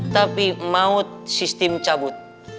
tapi maut sistem cabut